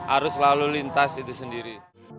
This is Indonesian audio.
arus lalu lintas itu sendiri